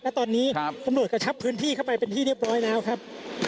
แล้วตอนนี้กำลัวคำสามารถกระชับพื้นที่เข้าไปได้ดีปล่อยครับ